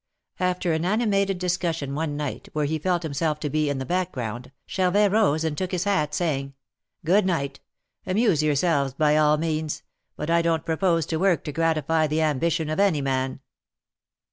After an animated discussion one night, where he felt himself to be in the background, Charvet rose and took his bat, saying ; Good night. Amuse yourselves by all means; but I don't propose to work to gratify the ambition of any man."